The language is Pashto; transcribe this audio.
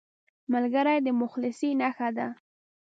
ملګری د مخلصۍ نښه ده